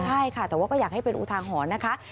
ใช่ค่ะแต่ว่าก็อยากให้เป็นอุทาหรณ์นะคะ